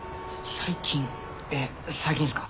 最近最近っすか？